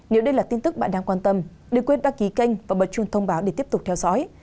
nếu đây là tin tức bạn đang quan tâm đừng quên đăng ký kênh và bật chuông thông báo để tiếp tục theo dõi